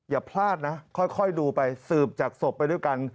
อย่าพลาดนะค่อยดูไปสืบจากศพไปด้วยกัน